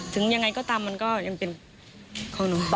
ถึงยังไงก็ตามมันก็ยังเป็นของหนู